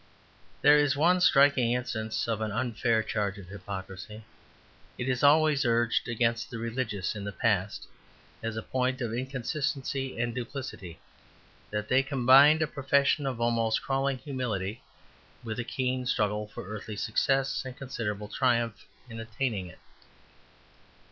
There is one striking instance of an unfair charge of hypocrisy. It is always urged against the religious in the past, as a point of inconsistency and duplicity, that they combined a profession of almost crawling humility with a keen struggle for earthly success and considerable triumph in attaining it.